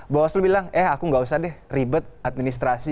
bawaslu bilang eh aku gak usah deh ribet administrasi